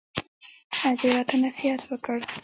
ادې راته نصيحت وکړ.